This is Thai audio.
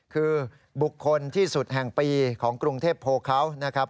คือบุคคลที่สุดแห่งปีของกรุงเทพโพเขานะครับ